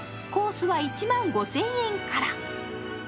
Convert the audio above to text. コースは１万５０００円から。